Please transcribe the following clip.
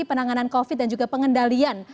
penanganan covid dan juga pengendalian